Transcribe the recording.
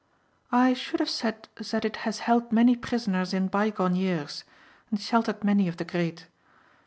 "I should have said that it has held many prisoners in bygone years, and sheltered many of the great.